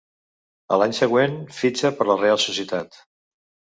A l'any següent fitxa per la Reial Societat.